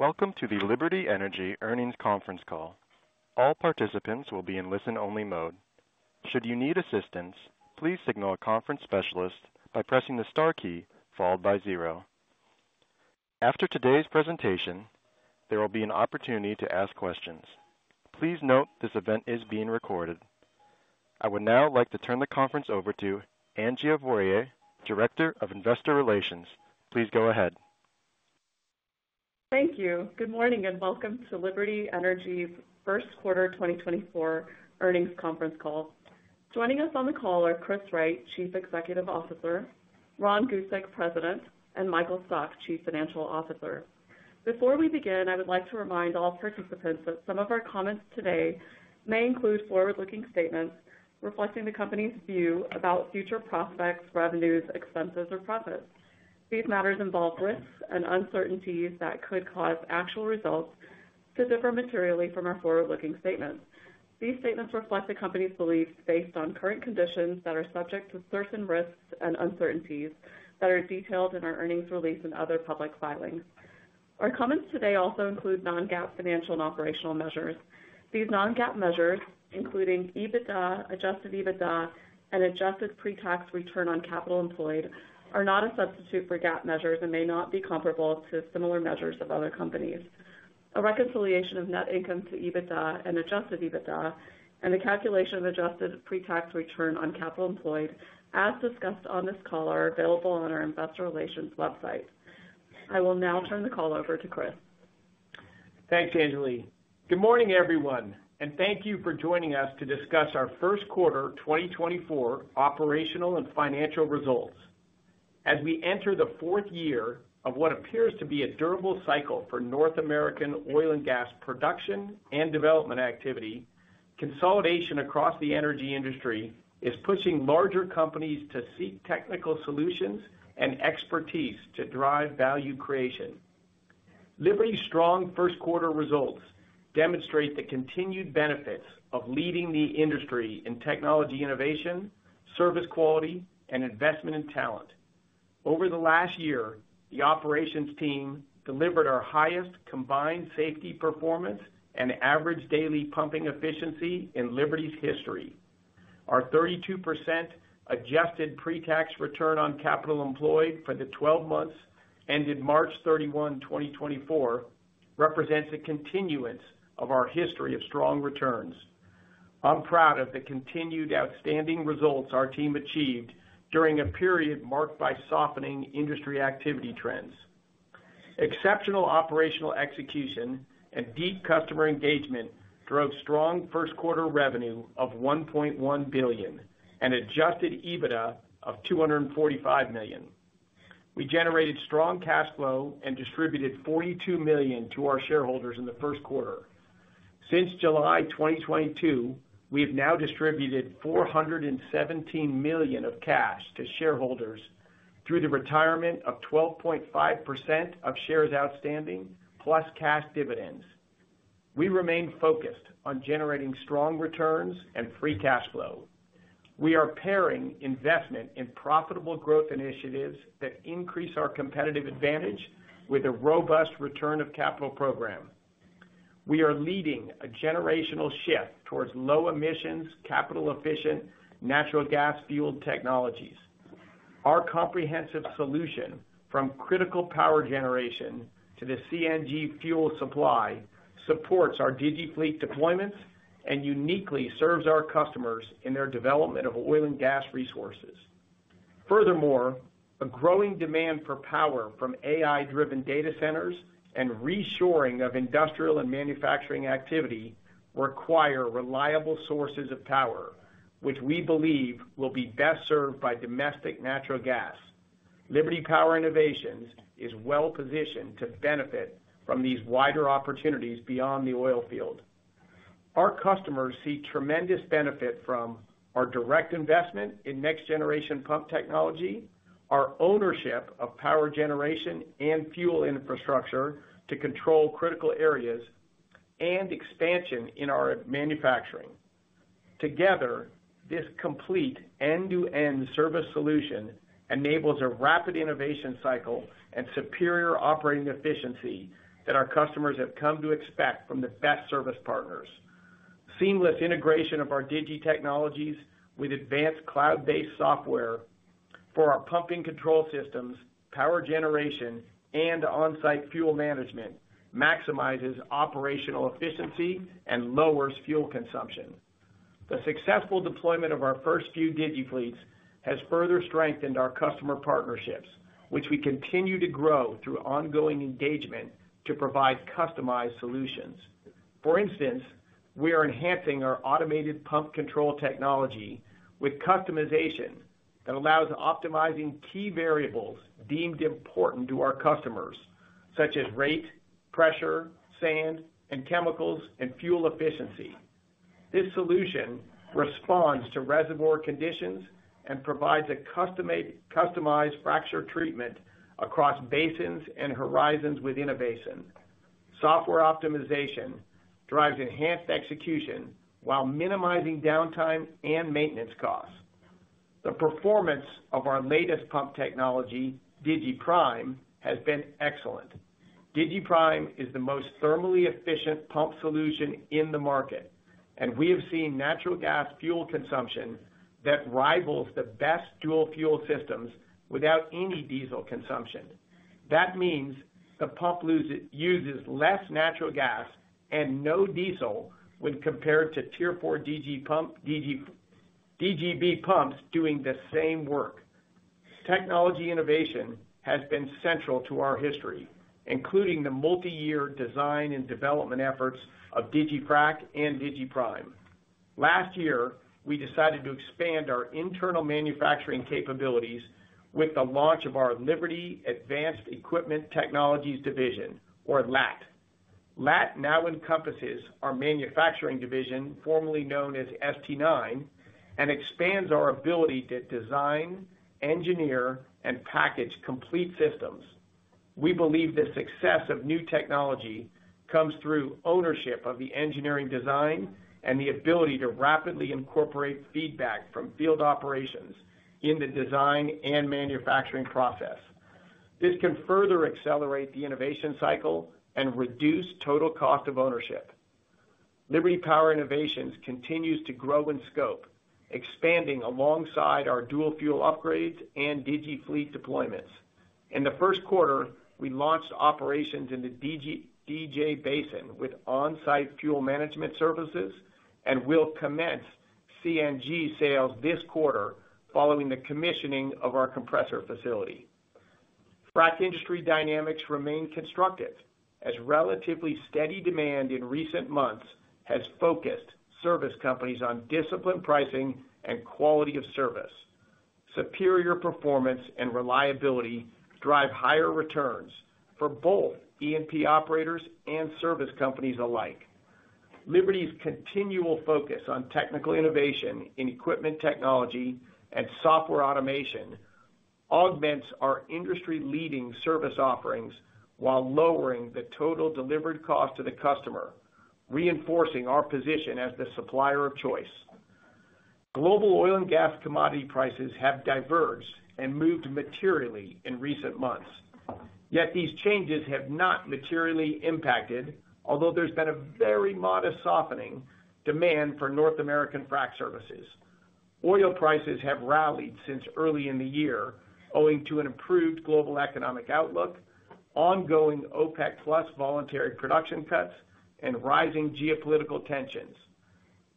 Welcome to the Liberty Energy Earnings Conference Call. All participants will be in listen-only mode. Should you need assistance, please signal a conference specialist by pressing the star key followed by 0. After today's presentation, there will be an opportunity to ask questions. Please note this event is being recorded. I would now like to turn the conference over to Anjali Voria, Director of Investor Relations. Please go ahead. Thank you. Good morning and welcome to Liberty Energy's first quarter 2024 earnings conference call. Joining us on the call are Chris Wright, Chief Executive Officer, Ron Gusek, President, and Michael Stock, Chief Financial Officer. Before we begin, I would like to remind all participants that some of our comments today may include forward-looking statements reflecting the company's view about future prospects, revenues, expenses, or profits. These matters involve risks and uncertainties that could cause actual results to differ materially from our forward-looking statements. These statements reflect the company's beliefs based on current conditions that are subject to certain risks and uncertainties that are detailed in our earnings release and other public filings. Our comments today also include non-GAAP financial and operational measures. These non-GAAP measures, including EBITDA, adjusted EBITDA, and adjusted pre-tax return on capital employed, are not a substitute for GAAP measures and may not be comparable to similar measures of other companies. A reconciliation of net income to EBITDA and adjusted EBITDA, and the calculation of adjusted pre-tax return on capital employed, as discussed on this call, are available on our Investor Relations website. I will now turn the call over to Chris. Thanks, Anjali. Good morning, everyone, and thank you for joining us to discuss our first quarter 2024 operational and financial results. As we enter the fourth year of what appears to be a durable cycle for North American oil and gas production and development activity, consolidation across the energy industry is pushing larger companies to seek technical solutions and expertise to drive value creation. Liberty's strong first quarter results demonstrate the continued benefits of leading the industry in technology innovation, service quality, and investment in talent. Over the last year, the operations team delivered our highest combined safety performance and average daily pumping efficiency in Liberty's history. Our 32% Adjusted Pre-Tax Return on Capital Employed for the 12 months ended March 31, 2024, represents a continuance of our history of strong returns. I'm proud of the continued outstanding results our team achieved during a period marked by softening industry activity trends. Exceptional operational execution and deep customer engagement drove strong first quarter revenue of $1.1 billion and adjusted EBITDA of $245 million. We generated strong cash flow and distributed $42 million to our shareholders in the first quarter. Since July 2022, we have now distributed $417 million of cash to shareholders through the retirement of 12.5% of shares outstanding plus cash dividends. We remain focused on generating strong returns and free cash flow. We are pairing investment in profitable growth initiatives that increase our competitive advantage with a robust return of capital program. We are leading a generational shift towards low-emissions, capital-efficient, natural gas-fueled technologies. Our comprehensive solution, from critical power generation to the CNG fuel supply, supports our digiFleet deployments and uniquely serves our customers in their development of oil and gas resources. Furthermore, a growing demand for power from AI-driven data centers and reshoring of industrial and manufacturing activity require reliable sources of power, which we believe will be best served by domestic natural gas. Liberty Power Innovations is well-positioned to benefit from these wider opportunities beyond the oil field. Our customers see tremendous benefit from our direct investment in next-generation pump technology, our ownership of power generation and fuel infrastructure to control critical areas, and expansion in our manufacturing. Together, this complete end-to-end service solution enables a rapid innovation cycle and superior operating efficiency that our customers have come to expect from the best service partners. Seamless integration of our digi technologies with advanced cloud-based software for our pumping control systems, power generation, and on-site fuel management maximizes operational efficiency and lowers fuel consumption. The successful deployment of our first few digiFleets has further strengthened our customer partnerships, which we continue to grow through ongoing engagement to provide customized solutions. For instance, we are enhancing our automated pump control technology with customization that allows optimizing key variables deemed important to our customers, such as rate, pressure, sand, and chemicals, and fuel efficiency. This solution responds to reservoir conditions and provides a customized fracture treatment across basins and horizons within a basin. Software optimization drives enhanced execution while minimizing downtime and maintenance costs. The performance of our latest pump technology, digiPrime, has been excellent. digiPrime is the most thermally efficient pump solution in the market, and we have seen natural gas fuel consumption that rivals the best dual fuel systems without any diesel consumption. That means the pump uses less natural gas and no diesel when compared to Tier 4 DGB pumps doing the same work. Technology innovation has been central to our history, including the multi-year design and development efforts of digiFrac and digiPrime. Last year, we decided to expand our internal manufacturing capabilities with the launch of our Liberty Advanced Equipment Technologies Division, or LAT. LAT now encompasses our manufacturing division, formerly known as ST9, and expands our ability to design, engineer, and package complete systems. We believe the success of new technology comes through ownership of the engineering design and the ability to rapidly incorporate feedback from field operations in the design and manufacturing process. This can further accelerate the innovation cycle and reduce total cost of ownership. Liberty Power Innovations continues to grow in scope, expanding alongside our dual fuel upgrades and digiFleet deployments. In the first quarter, we launched operations in the DJ Basin with on-site fuel management services and will commence CNG sales this quarter following the commissioning of our compressor facility. Frac industry dynamics remain constructive, as relatively steady demand in recent months has focused service companies on disciplined pricing and quality of service. Superior performance and reliability drive higher returns for both E&P operators and service companies alike. Liberty's continual focus on technical innovation in equipment technology and software automation augments our industry-leading service offerings while lowering the total delivered cost to the customer, reinforcing our position as the supplier of choice. Global oil and gas commodity prices have diverged and moved materially in recent months, yet these changes have not materially impacted, although there's been a very modest softening demand for North American frac services. Oil prices have rallied since early in the year, owing to an improved global economic outlook, ongoing OPEC+ voluntary production cuts, and rising geopolitical tensions.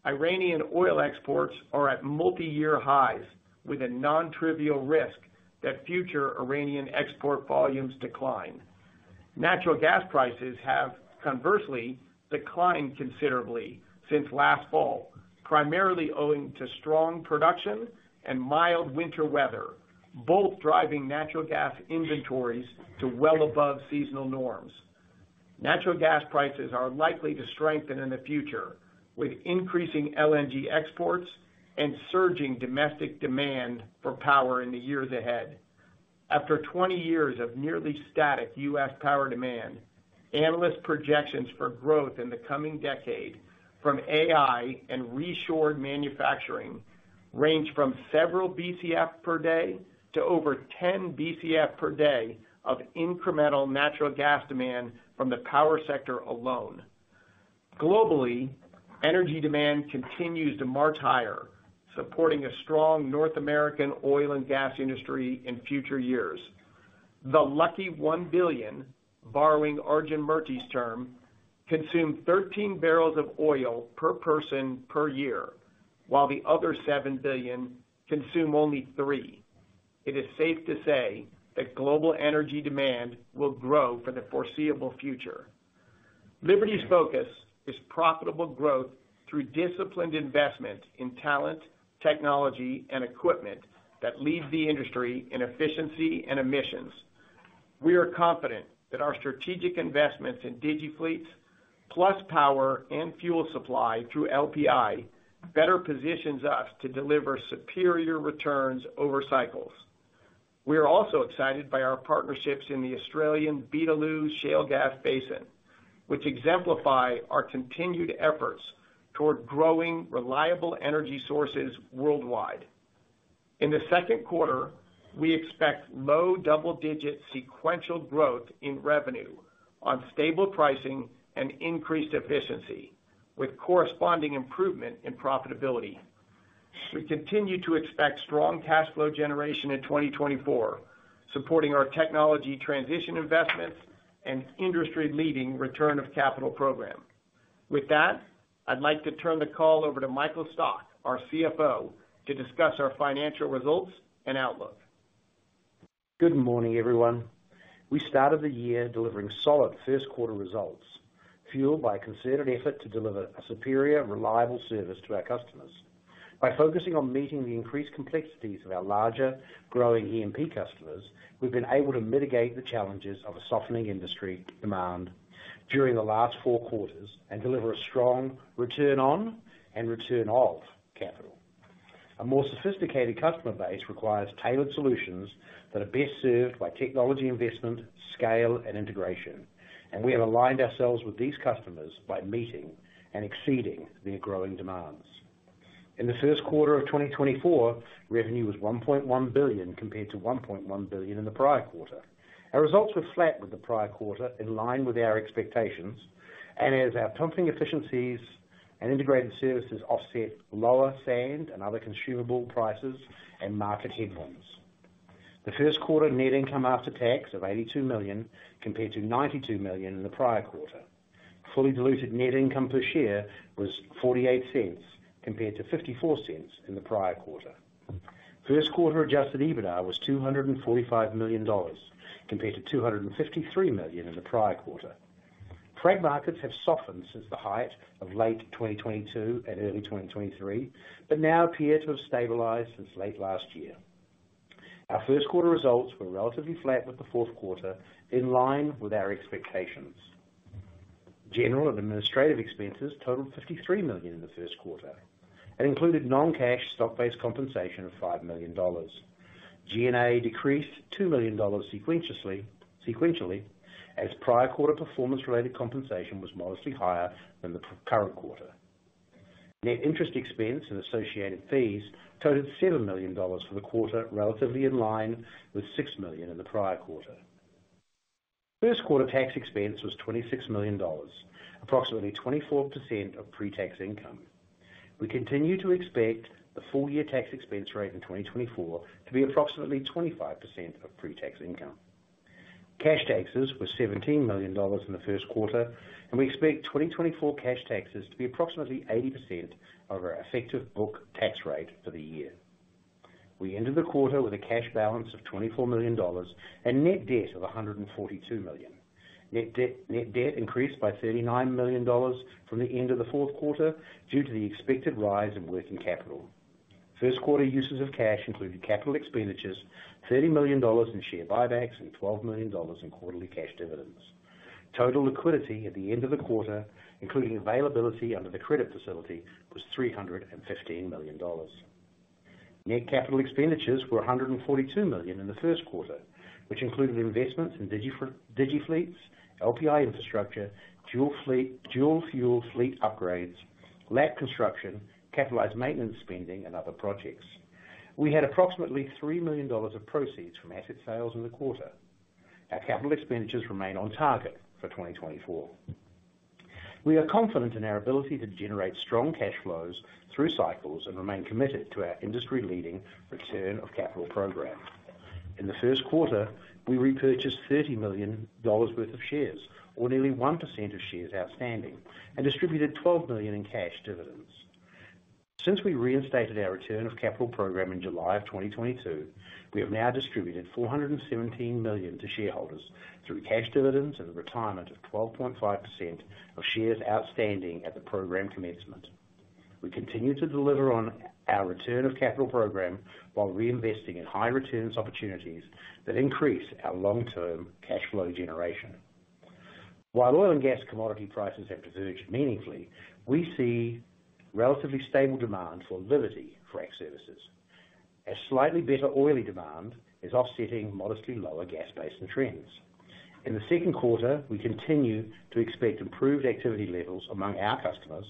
Iranian oil exports are at multi-year highs, with a non-trivial risk that future Iranian export volumes decline. Natural gas prices have, conversely, declined considerably since last fall, primarily owing to strong production and mild winter weather, both driving natural gas inventories to well above seasonal norms. Natural gas prices are likely to strengthen in the future, with increasing LNG exports and surging domestic demand for power in the years ahead. After 20 years of nearly static U.S. Power demand, analyst projections for growth in the coming decade from AI and reshored manufacturing range from several BCF per day to over 10 BCF per day of incremental natural gas demand from the power sector alone. Globally, energy demand continues to march higher, supporting a strong North American oil and gas industry in future years. The lucky $1 billion, borrowing Arjun Murthy's term, consumed 13 barrels of oil per person per year, while the other $7 billion consumed only 3. It is safe to say that global energy demand will grow for the foreseeable future. Liberty's focus is profitable growth through disciplined investment in talent, technology, and equipment that lead the industry in efficiency and emissions. We are confident that our strategic investments in digiFleets, plus power and fuel supply through LPI, better positions us to deliver superior returns over cycles. We are also excited by our partnerships in the Australian Beetaloo Shale Gas Basin, which exemplify our continued efforts toward growing reliable energy sources worldwide. In the second quarter, we expect low double-digit sequential growth in revenue on stable pricing and increased efficiency, with corresponding improvement in profitability. We continue to expect strong cash flow generation in 2024, supporting our technology transition investments and industry-leading return of capital program. With that, I'd like to turn the call over to Michael Stock, our CFO, to discuss our financial results and outlook. Good morning, everyone. We started the year delivering solid first quarter results, fueled by a concerted effort to deliver a superior, reliable service to our customers. By focusing on meeting the increased complexities of our larger, growing E&P customers, we've been able to mitigate the challenges of a softening industry demand during the last four quarters and deliver a strong return on and return of capital. A more sophisticated customer base requires tailored solutions that are best served by technology investment, scale, and integration, and we have aligned ourselves with these customers by meeting and exceeding their growing demands. In the first quarter of 2024, revenue was $1.1 billion compared to $1.1 billion in the prior quarter. Our results were flat with the prior quarter, in line with our expectations, and as our pumping efficiencies and integrated services offset lower sand and other consumable prices and market headwinds. The first quarter net income after tax of $82 million compared to $92 million in the prior quarter. Fully diluted net income per share was $0.48 compared to $0.54 in the prior quarter. First quarter Adjusted EBITDA was $245 million compared to $253 million in the prior quarter. Frac markets have softened since the height of late 2022 and early 2023, but now appear to have stabilized since late last year. Our first quarter results were relatively flat with the fourth quarter, in line with our expectations. General and administrative expenses totaled $53 million in the first quarter and included non-cash stock-based compensation of $5 million. G&A decreased $2 million sequentially, as prior quarter performance-related compensation was modestly higher than the current quarter. Net interest expense and associated fees totaled $7 million for the quarter, relatively in line with $6 million in the prior quarter. First quarter tax expense was $26 million, approximately 24% of pre-tax income. We continue to expect the full-year tax expense rate in 2024 to be approximately 25% of pre-tax income. Cash taxes were $17 million in the first quarter, and we expect 2024 cash taxes to be approximately 80% of our effective book tax rate for the year. We ended the quarter with a cash balance of $24 million and net debt of $142 million. Net debt increased by $39 million from the end of the fourth quarter due to the expected rise in working capital. First quarter uses of cash included capital expenditures, $30 million in share buybacks, and $12 million in quarterly cash dividends. Total liquidity at the end of the quarter, including availability under the credit facility, was $315 million. Net capital expenditures were $142 million in the first quarter, which included investments in digiFleets, LPI infrastructure, dual fuel fleet upgrades, LAT construction, capitalized maintenance spending, and other projects. We had approximately $3 million of proceeds from asset sales in the quarter. Our capital expenditures remain on target for 2024. We are confident in our ability to generate strong cash flows through cycles and remain committed to our industry-leading return of capital program. In the first quarter, we repurchased $30 million worth of shares, or nearly 1% of shares outstanding, and distributed $12 million in cash dividends. Since we reinstated our return of capital program in July of 2022, we have now distributed $417 million to shareholders through cash dividends and the retirement of 12.5% of shares outstanding at the program commencement. We continue to deliver on our return of capital program while reinvesting in high-returns opportunities that increase our long-term cash flow generation. While oil and gas commodity prices have diverged meaningfully, we see relatively stable demand for Liberty frac services, as slightly better oily demand is offsetting modestly lower gas-based trends. In the second quarter, we continue to expect improved activity levels among our customers,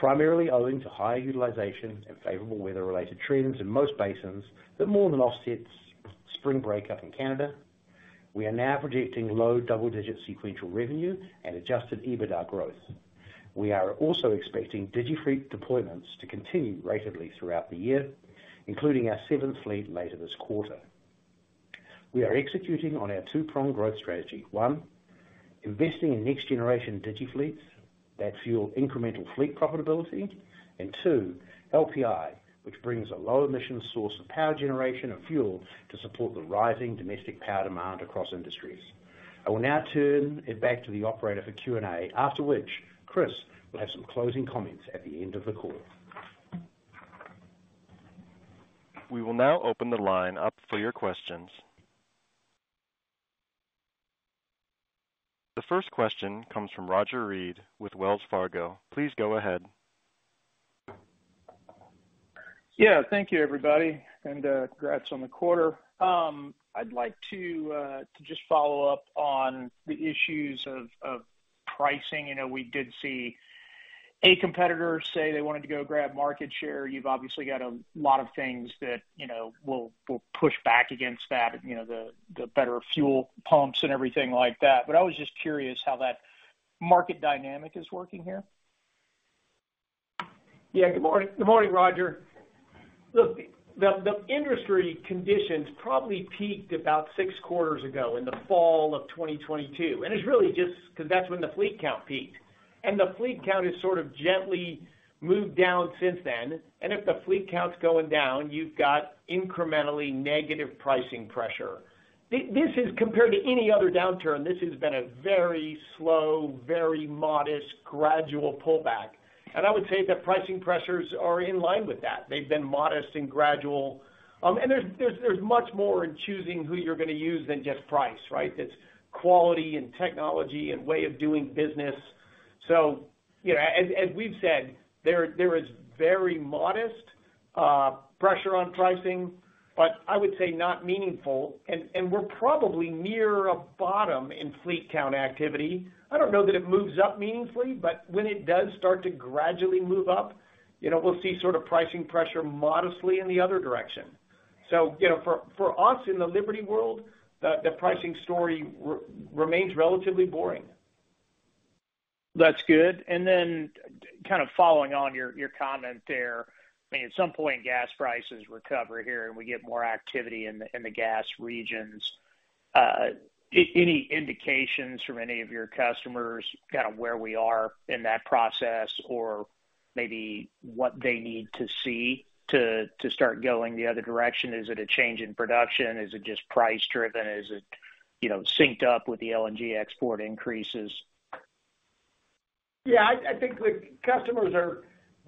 primarily owing to higher utilization and favorable weather-related trends in most basins that more than offsets spring breakup in Canada. We are now projecting low double-digit sequential revenue and Adjusted EBITDA growth. We are also expecting digiFleet deployments to continue rapidly throughout the year, including our seventh fleet later this quarter. We are executing on our two-pronged growth strategy: one, investing in next-generation digiFleets that fuel incremental fleet profitability, and two, LPI, which brings a low-emission source of power generation and fuel to support the rising domestic power demand across industries. I will now turn it back to the operator for Q&A, after which Chris will have some closing comments at the end of the call. We will now open the line up for your questions. The first question comes from Roger Read with Wells Fargo. Please go ahead. Yeah, thank you, everybody, and congrats on the quarter. I'd like to just follow up on the issues of pricing. We did see a competitor say they wanted to go grab market share. You've obviously got a lot of things that will push back against that, the better fuel pumps and everything like that. But I was just curious how that market dynamic is working here. Yeah, good morning, Roger. Look, the industry conditions probably peaked about six quarters ago in the fall of 2022, and it's really just because that's when the fleet count peaked. The fleet count has sort of gently moved down since then. If the fleet count's going down, you've got incrementally negative pricing pressure. Compared to any other downturn, this has been a very slow, very modest, gradual pullback. I would say that pricing pressures are in line with that. They've been modest and gradual. There's much more in choosing who you're going to use than just price, right? It's quality and technology and way of doing business. As we've said, there is very modest pressure on pricing, but I would say not meaningful. We're probably near a bottom in fleet count activity. I don't know that it moves up meaningfully, but when it does start to gradually move up, we'll see sort of pricing pressure modestly in the other direction. So for us in the Liberty world, the pricing story remains relatively boring. That's good. And then kind of following on your comment there, I mean, at some point gas prices recover here and we get more activity in the gas regions. Any indications from any of your customers kind of where we are in that process or maybe what they need to see to start going the other direction? Is it a change in production? Is it just price-driven? Is it synced up with the LNG export increases? Yeah, I think customers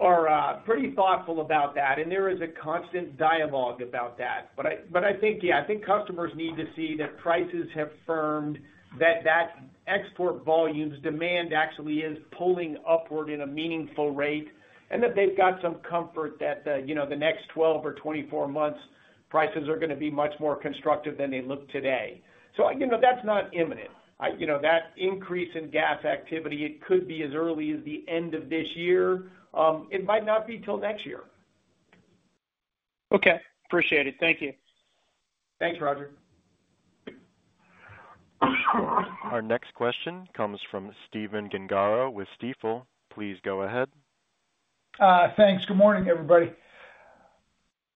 are pretty thoughtful about that, and there is a constant dialogue about that. But I think, yeah, I think customers need to see that prices have firmed, that export volumes, demand actually is pulling upward in a meaningful rate, and that they've got some comfort that the next 12 or 24 months prices are going to be much more constructive than they look today. So that's not imminent. That increase in gas activity, it could be as early as the end of this year. It might not be till next year. Okay. Appreciate it. Thank you. Thanks, Roger. Our next question comes from Stephen Gengaro with Stifel. Please go ahead. Thanks. Good morning, everybody.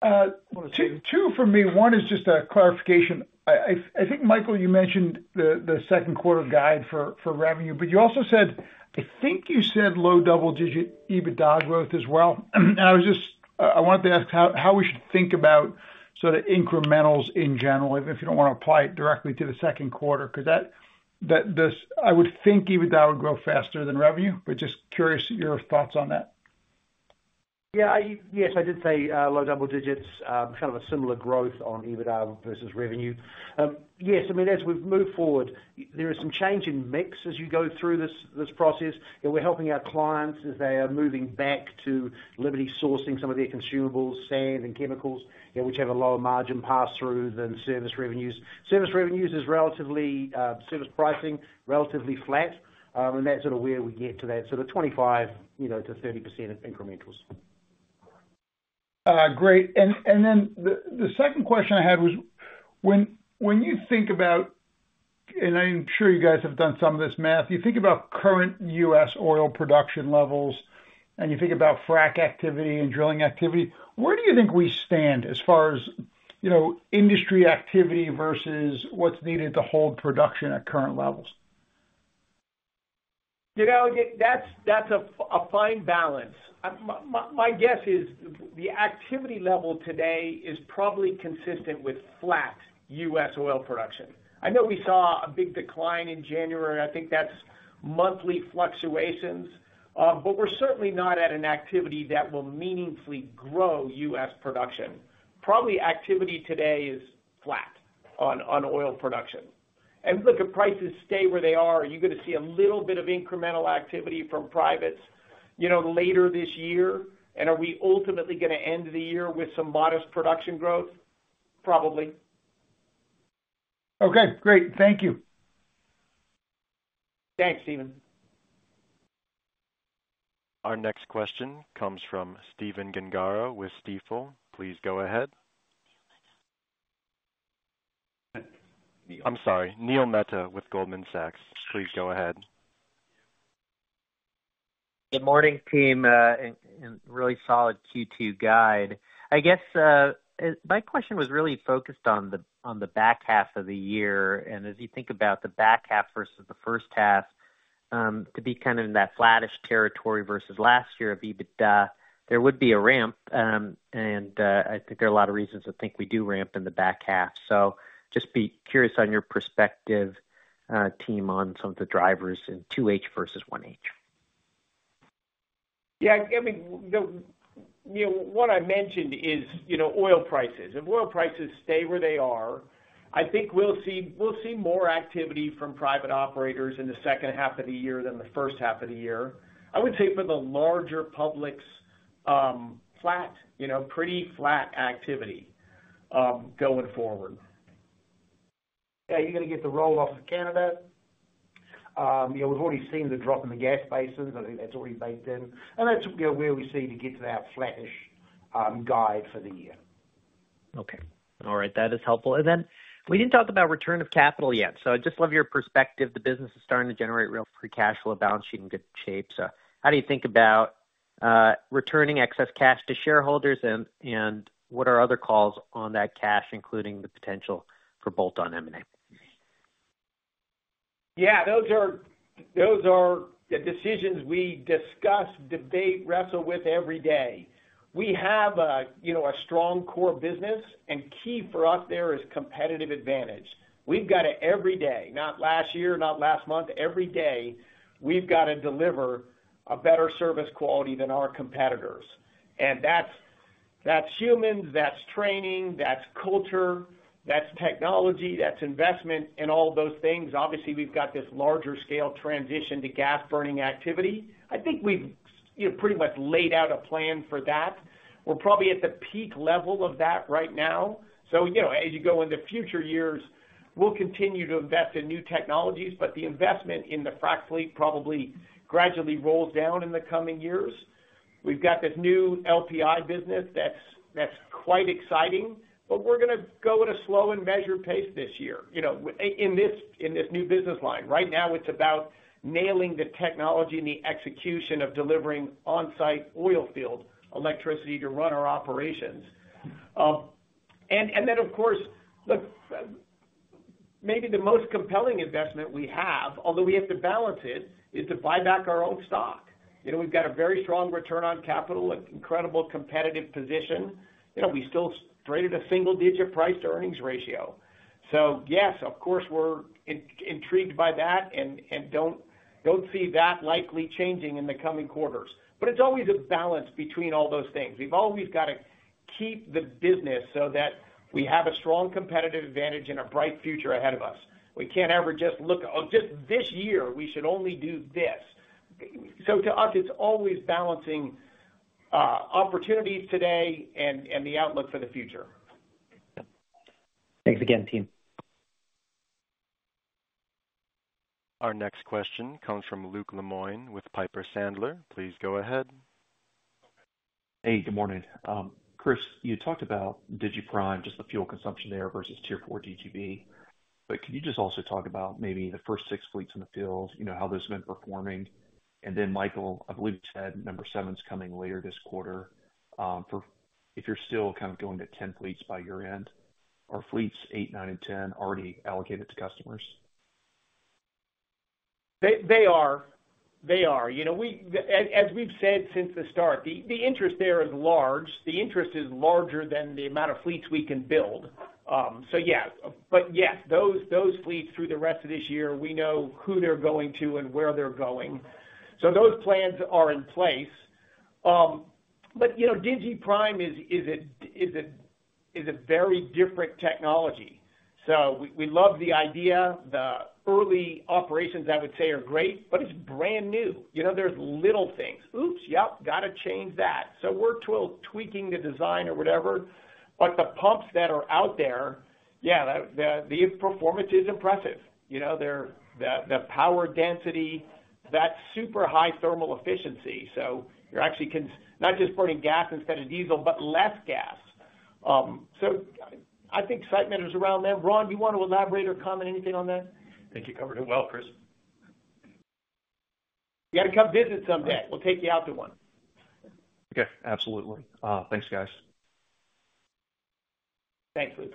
Two for me. One is just a clarification. I think, Michael, you mentioned the second quarter guide for revenue, but you also said I think you said low double-digit EBITDA growth as well. And I wanted to ask how we should think about sort of incrementals in general, even if you don't want to apply it directly to the second quarter, because I would think EBITDA would grow faster than revenue. But just curious your thoughts on that. Yeah, yes, I did say low double digits, kind of a similar growth on EBITDA versus revenue. Yes, I mean, as we've moved forward, there is some change in mix as you go through this process. We're helping our clients as they are moving back to Liberty sourcing some of their consumables, sand, and chemicals, which have a lower margin pass-through than service revenues. Service revenues is relatively service pricing relatively flat, and that's sort of where we get to that, sort of 25%-30% incrementals. Great. And then the second question I had was, when you think about and I'm sure you guys have done some of this math, you think about current U.S. oil production levels, and you think about frac activity and drilling activity. Where do you think we stand as far as industry activity versus what's needed to hold production at current levels? That's a fine balance. My guess is the activity level today is probably consistent with flat U.S. oil production. I know we saw a big decline in January. I think that's monthly fluctuations. But we're certainly not at an activity that will meaningfully grow U.S. production. Probably activity today is flat on oil production. And look, if prices stay where they are, are you going to see a little bit of incremental activity from privates later this year? And are we ultimately going to end the year with some modest production growth? Probably. Okay. Great. Thank you. Thanks, Stephen. Our next question comes from Stephen Gengaro with Stifel. Please go ahead. I'm sorry, Neil Mehta with Goldman Sachs. Please go ahead. Good morning, team, and really solid Q2 guide. I guess my question was really focused on the back half of the year. And as you think about the back half versus the first half, to be kind of in that flattish territory versus last year of EBITDA, there would be a ramp. And I think there are a lot of reasons to think we do ramp in the back half. So just be curious on your perspective, team, on some of the drivers in 2H versus 1H. Yeah, I mean, what I mentioned is oil prices. If oil prices stay where they are, I think we'll see more activity from private operators in the second half of the year than the first half of the year. I would say for the larger publics, pretty flat activity going forward. Yeah, you're going to get the roll-off of Canada. We've already seen the drop in the gas basins. I think that's already baked in. That's where we see to get to that flattish guide for the year. Okay. All right. That is helpful. And then we didn't talk about return of capital yet. So I'd just love your perspective. The business is starting to generate real free cash flow, balance sheet in good shape. So how do you think about returning excess cash to shareholders, and what are other calls on that cash, including the potential for bolt-on M&A? Yeah, those are the decisions we discuss, debate, wrestle with every day. We have a strong core business, and key for us there is competitive advantage. We've got to every day, not last year, not last month, every day, we've got to deliver a better service quality than our competitors. And that's humans, that's training, that's culture, that's technology, that's investment, and all those things. Obviously, we've got this larger-scale transition to gas-burning activity. I think we've pretty much laid out a plan for that. We're probably at the peak level of that right now. So as you go into future years, we'll continue to invest in new technologies, but the investment in the frac fleet probably gradually rolls down in the coming years. We've got this new LPI business that's quite exciting, but we're going to go at a slow and measured pace this year in this new business line. Right now, it's about nailing the technology and the execution of delivering on-site oil field electricity to run our operations. And then, of course, look, maybe the most compelling investment we have, although we have to balance it, is to buy back our own stock. We've got a very strong return on capital, an incredible competitive position. We still traded a single-digit price-to-earnings ratio. So yes, of course, we're intrigued by that and don't see that likely changing in the coming quarters. But it's always a balance between all those things. We've always got to keep the business so that we have a strong competitive advantage and a bright future ahead of us. We can't ever just look at, "Oh, just this year, we should only do this." So to us, it's always balancing opportunities today and the outlook for the future. Thanks again, team. Our next question comes from Luke Lemoine with Piper Sandler. Please go ahead. Hey, good morning. Chris, you talked about DigiPrime, just the fuel consumption there versus Tier 4 DGB. But could you just also talk about maybe the first 6 fleets in the fields, how those have been performing? And then, Michael, I believe you said number 7's coming later this quarter. If you're still kind of going to 10 fleets by your end, are fleets 8, 9, and 10 already allocated to customers? They are. They are. As we've said since the start, the interest there is large. The interest is larger than the amount of fleets we can build. So yeah. But yes, those fleets, through the rest of this year, we know who they're going to and where they're going. So those plans are in place. But digiPrime is a very different technology. So we love the idea. The early operations, I would say, are great, but it's brand new. There's little things. "Oops, yep, got to change that." So we're tweaking the design or whatever. But the pumps that are out there, yeah, the performance is impressive. The power density, that super high thermal efficiency. So you're actually not just burning gas instead of diesel, but less gas. So I think excitement is around them. Ron, do you want to elaborate or comment anything on that? I think you covered it well, Chris. You got to come visit someday. We'll take you out to one. Okay. Absolutely. Thanks, guys. Thanks, Luke.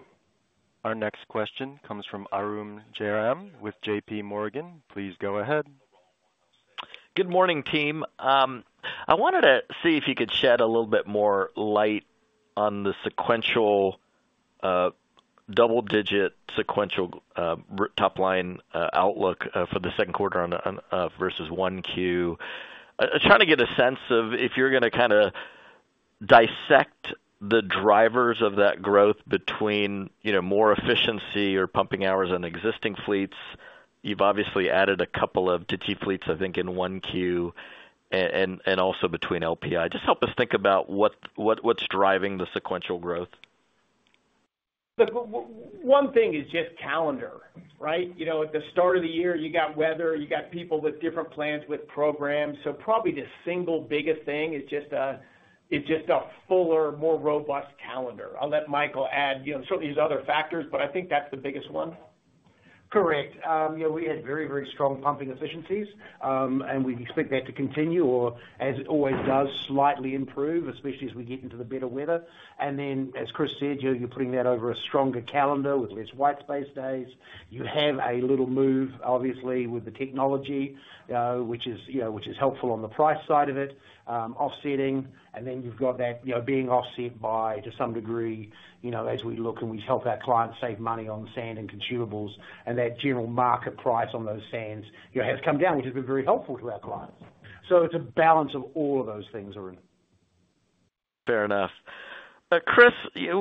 Our next question comes from Arun Jayaram with JPMorgan. Please go ahead. Good morning, team. I wanted to see if you could shed a little bit more light on the sequential double-digit sequential top-line outlook for the second quarter versus 1Q. Trying to get a sense of if you're going to kind of dissect the drivers of that growth between more efficiency or pumping hours on existing fleets. You've obviously added a couple of DGB fleets, I think, in 1Q and also between LPI. Just help us think about what's driving the sequential growth. Look, one thing is just calendar, right? At the start of the year, you got weather. You got people with different plans, with programs. So probably the single biggest thing is just a fuller, more robust calendar. I'll let Michael add, certainly there's other factors, but I think that's the biggest one. Correct. We had very, very strong pumping efficiencies, and we expect that to continue or, as it always does, slightly improve, especially as we get into the better weather. And then, as Chris said, you're putting that over a stronger calendar with less white space days. You have a little move, obviously, with the technology, which is helpful on the price side of it, offsetting. And then you've got that being offset by, to some degree, as we look and we help our clients save money on sand and consumables, and that general market price on those sands has come down, which has been very helpful to our clients. So it's a balance of all of those things, Arun. Fair enough. Chris,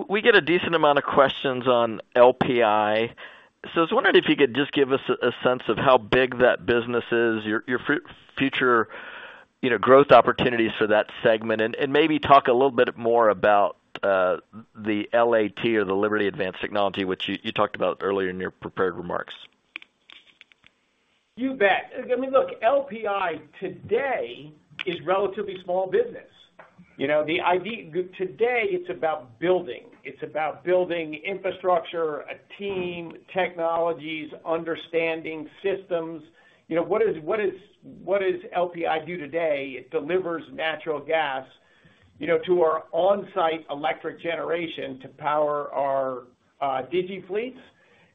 we get a decent amount of questions on LPI. So I was wondering if you could just give us a sense of how big that business is, your future growth opportunities for that segment, and maybe talk a little bit more about the LAT or the Liberty Advanced Technology, which you talked about earlier in your prepared remarks. You bet. I mean, look, LPI today is relatively small business. Today, it's about building. It's about building infrastructure, a team, technologies, understanding systems. What does LPI do today? It delivers natural gas to our on-site electric generation to power our digi fleets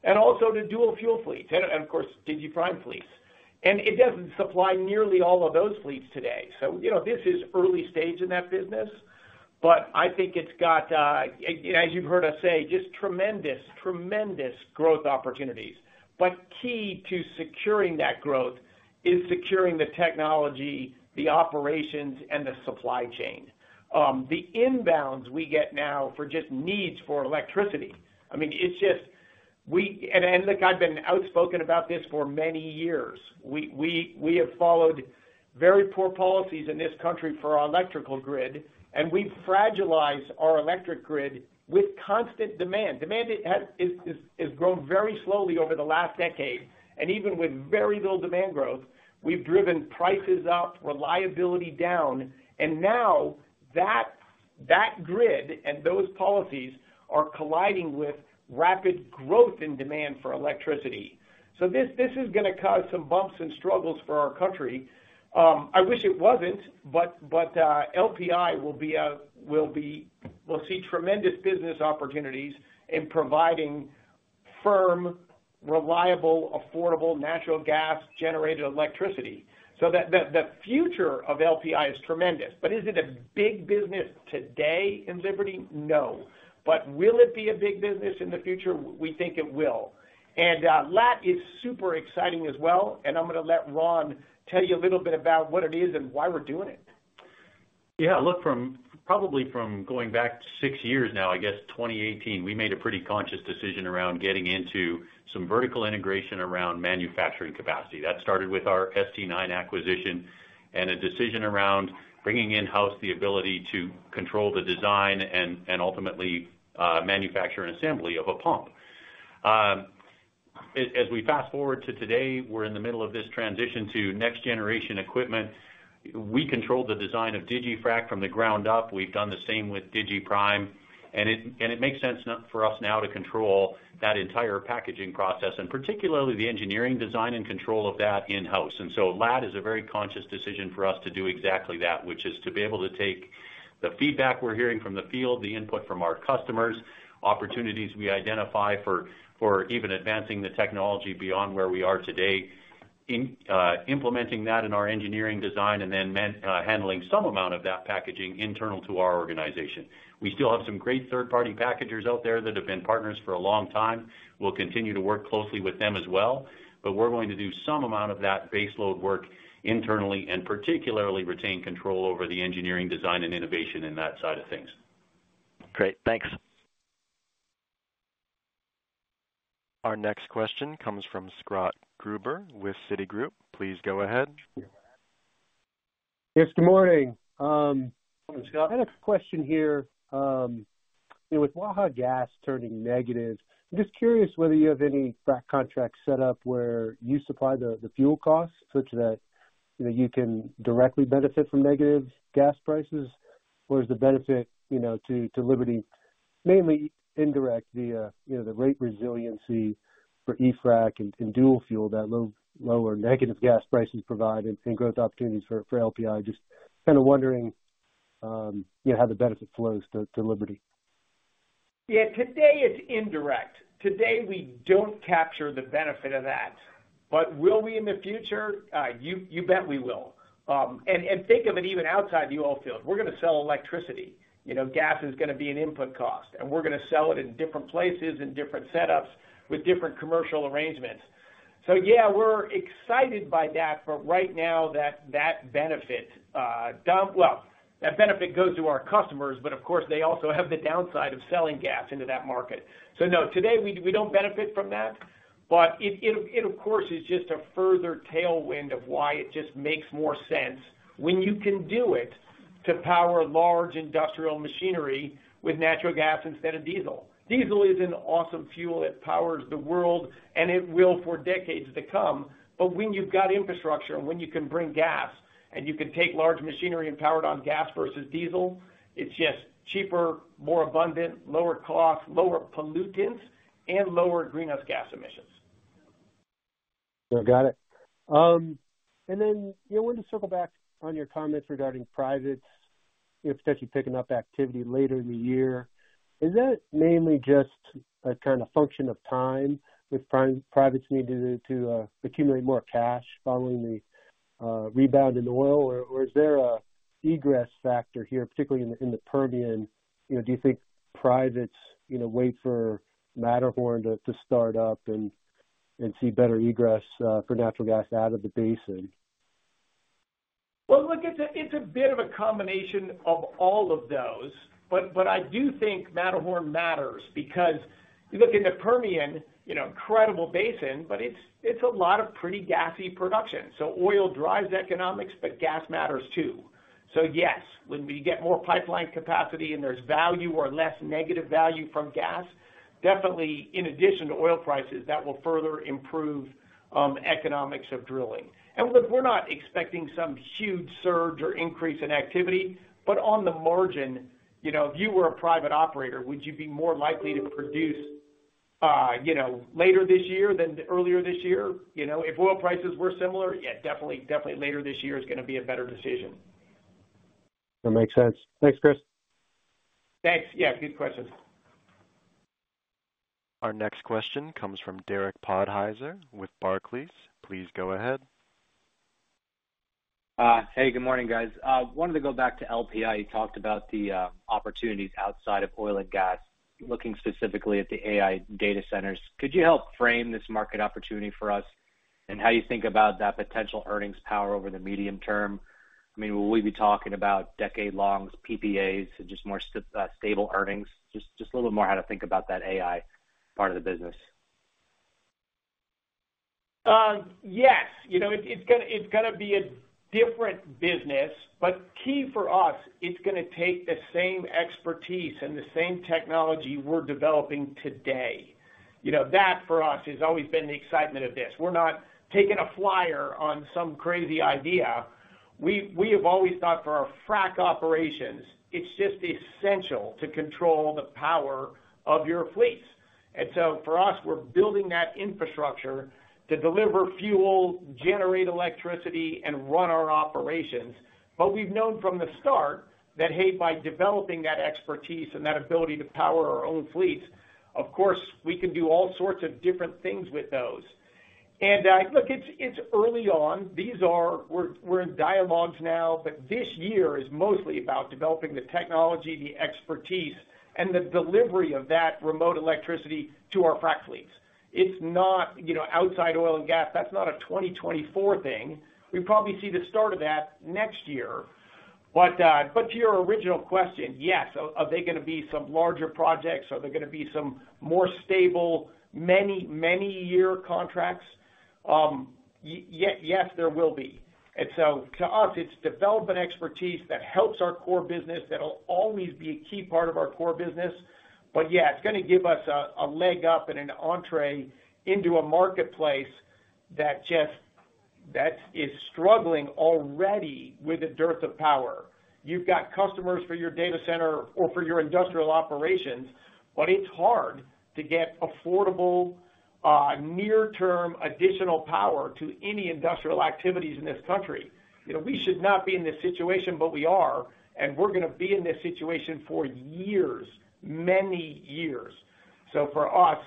and also to dual-fuel fleets and, of course, digiPrime fleets. It doesn't supply nearly all of those fleets today. This is early stage in that business. But I think it's got, as you've heard us say, just tremendous, tremendous growth opportunities. But key to securing that growth is securing the technology, the operations, and the supply chain. The inbounds we get now for just needs for electricity, I mean, it's just and look, I've been outspoken about this for many years. We have followed very poor policies in this country for our electrical grid, and we've fragilized our electric grid with constant demand. Demand has grown very slowly over the last decade. Even with very little demand growth, we've driven prices up, reliability down. Now that grid and those policies are colliding with rapid growth in demand for electricity. This is going to cause some bumps and struggles for our country. I wish it wasn't, but LPI will be. We'll see tremendous business opportunities in providing firm, reliable, affordable natural gas-generated electricity. The future of LPI is tremendous. But is it a big business today in Liberty? No. But will it be a big business in the future? We think it will. And that is super exciting as well. I'm going to let Ron tell you a little bit about what it is and why we're doing it. Yeah. Look, probably from going back 6 years now, I guess 2018, we made a pretty conscious decision around getting into some vertical integration around manufacturing capacity. That started with our ST9 acquisition and a decision around bringing in-house the ability to control the design and ultimately manufacture and assembly of a pump. As we fast forward to today, we're in the middle of this transition to next-generation equipment. We control the design of digiFrac from the ground up. We've done the same with digiPrime. It makes sense for us now to control that entire packaging process, and particularly the engineering design and control of that in-house. And so that is a very conscious decision for us to do exactly that, which is to be able to take the feedback we're hearing from the field, the input from our customers, opportunities we identify for even advancing the technology beyond where we are today, implementing that in our engineering design, and then handling some amount of that packaging internal to our organization. We still have some great third-party packagers out there that have been partners for a long time. We'll continue to work closely with them as well. But we're going to do some amount of that baseload work internally and particularly retain control over the engineering design and innovation in that side of things. Great. Thanks. Our next question comes from Scott Gruber with Citigroup. Please go ahead. Yes, good morning. I had a question here. With Waha Gas turning negative, I'm just curious whether you have any frac contracts set up where you supply the fuel costs such that you can directly benefit from negative gas prices, or is the benefit to Liberty, mainly indirect, via the rate resiliency for e-frac and dual fuel, that lower negative gas prices provide and growth opportunities for LPI? Just kind of wondering how the benefit flows to Liberty. Yeah. Today, it's indirect. Today, we don't capture the benefit of that. But will we in the future? You bet we will. And think of it even outside the oil field. We're going to sell electricity. Gas is going to be an input cost. And we're going to sell it in different places, in different setups, with different commercial arrangements. So yeah, we're excited by that, but right now, that benefit well, that benefit goes to our customers, but of course, they also have the downside of selling gas into that market. So no, today, we don't benefit from that. But it, of course, is just a further tailwind of why it just makes more sense when you can do it to power large industrial machinery with natural gas instead of diesel. Diesel is an awesome fuel. It powers the world, and it will for decades to come. But when you've got infrastructure and when you can bring gas and you can take large machinery and power it on gas versus diesel, it's just cheaper, more abundant, lower cost, lower pollutants, and lower greenhouse gas emissions. Got it. And then I wanted to circle back on your comments regarding privates potentially picking up activity later in the year. Is that mainly just a kind of function of time with privates needing to accumulate more cash following the rebound in oil, or is there an egress factor here, particularly in the Permian? Do you think privates wait for Matterhorn to start up and see better egress for natural gas out of the basin? Well, look, it's a bit of a combination of all of those. But I do think Matterhorn matters because you look in the Permian, incredible basin, but it's a lot of pretty gassy production. So oil drives economics, but gas matters too. So yes, when we get more pipeline capacity and there's value or less negative value from gas, definitely, in addition to oil prices, that will further improve economics of drilling. And look, we're not expecting some huge surge or increase in activity. But on the margin, if you were a private operator, would you be more likely to produce later this year than earlier this year? If oil prices were similar, yeah, definitely later this year is going to be a better decision. That makes sense. Thanks, Chris. Thanks. Yeah, good questions. Our next question comes from Derek Podhaizer with Barclays. Please go ahead. Hey, good morning, guys. I wanted to go back to LPI. You talked about the opportunities outside of oil and gas, looking specifically at the AI data centers. Could you help frame this market opportunity for us and how you think about that potential earnings power over the medium term? I mean, will we be talking about decade-long PPAs and just more stable earnings? Just a little bit more how to think about that AI part of the business? Yes. It's going to be a different business. But key for us, it's going to take the same expertise and the same technology we're developing today. That, for us, has always been the excitement of this. We're not taking a flyer on some crazy idea. We have always thought for our frac operations, it's just essential to control the power of your fleets. And so for us, we're building that infrastructure to deliver fuel, generate electricity, and run our operations. But we've known from the start that, hey, by developing that expertise and that ability to power our own fleets, of course, we can do all sorts of different things with those. And look, it's early on. We're in dialogues now, but this year is mostly about developing the technology, the expertise, and the delivery of that remote electricity to our frac fleets. It's not outside oil and gas. That's not a 2024 thing. We probably see the start of that next year. But to your original question, yes. Are they going to be some larger projects? Are they going to be some more stable, many, many-year contracts? Yes, there will be. And so to us, it's development expertise that helps our core business that'll always be a key part of our core business. But yeah, it's going to give us a leg up and an entree into a marketplace that is struggling already with a dearth of power. You've got customers for your data center or for your industrial operations, but it's hard to get affordable, near-term additional power to any industrial activities in this country. We should not be in this situation, but we are. And we're going to be in this situation for years, many years. So for us,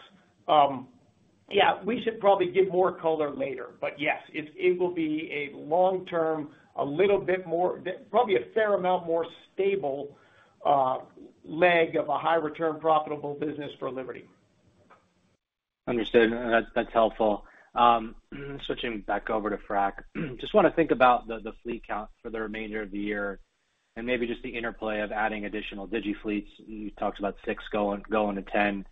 yeah, we should probably give more color later. But yes, it will be a long-term, a little bit more probably a fair amount more stable leg of a high-return, profitable business for Liberty. Understood. That's helpful. Switching back over to Frac, just want to think about the fleet count for the remainder of the year and maybe just the interplay of adding additional DGB fleets. You talked about 6 going to 10,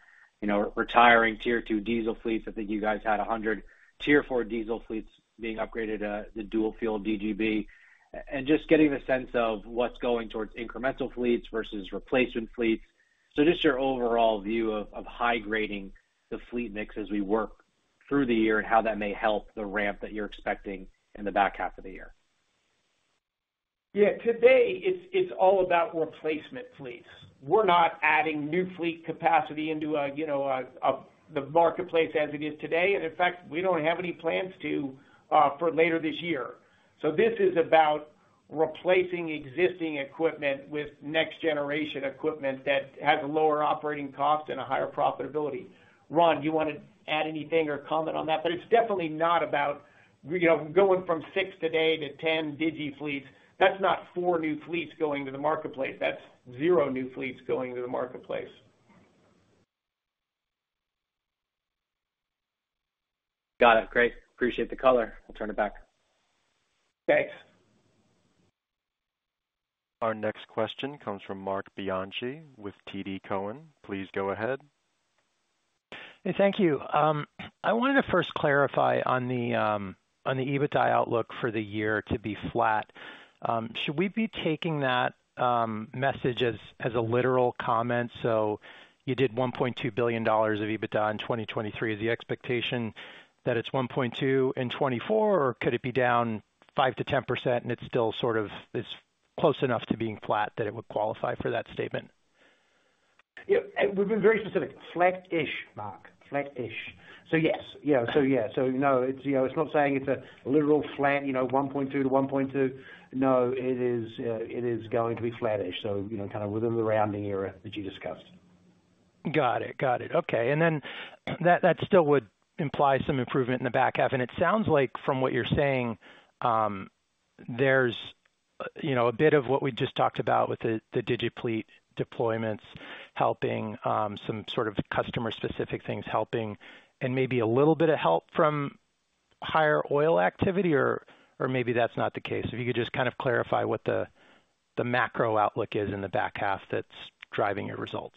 retiring Tier 2 diesel fleets. I think you guys had 100 Tier 4 diesel fleets being upgraded to dual-fuel DGB, and just getting a sense of what's going towards incremental fleets versus replacement fleets. So just your overall view of high-grading the fleet mix as we work through the year and how that may help the ramp that you're expecting in the back half of the year. Yeah. Today, it's all about replacement fleets. We're not adding new fleet capacity into the marketplace as it is today. And in fact, we don't have any plans for later this year. So this is about replacing existing equipment with next-generation equipment that has a lower operating cost and a higher profitability. Ron, do you want to add anything or comment on that? But it's definitely not about going from 6 today to 10 DGB fleets. That's not 4 new fleets going to the marketplace. That's 0 new fleets going to the marketplace. Got it. Great. Appreciate the color. I'll turn it back. Thanks. Our next question comes from Marc Bianchi with TD Cowen. Please go ahead. Hey, thank you. I wanted to first clarify on the EBITDA outlook for the year to be flat. Should we be taking that message as a literal comment? So you did $1.2 billion of EBITDA in 2023. Is the expectation that it's 1.2 in 2024, or could it be down 5%-10% and it's still sort of close enough to being flat that it would qualify for that statement? Yeah. We've been very specific. Flat-ish, Marc. Flat-ish. So yes. So yeah. So no, it's not saying it's a literal flat, 1.2-1.2. No, it is going to be flat-ish, so kind of within the rounding error that you discussed. Got it. Got it. Okay. And then that still would imply some improvement in the back half. And it sounds like from what you're saying, there's a bit of what we just talked about with the DGB fleet deployments helping, some sort of customer-specific things helping, and maybe a little bit of help from higher oil activity, or maybe that's not the case. If you could just kind of clarify what the macro outlook is in the back half that's driving your results.